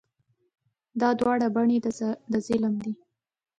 دا دواړه بڼې د ظلم دي.